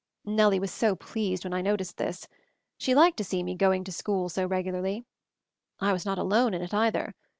Nellie was so pleased when I noticed this. She liked to see me "going to school" so regularly. I was not alone in it, either.